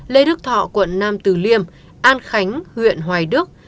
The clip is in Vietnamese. lê đức thọ quận nam từ liêm an khánh huyện hoài đức